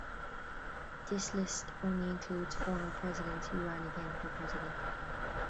This list only includes "former" presidents who ran again for president.